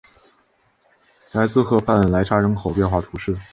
莱兹河畔莱扎人口变化图示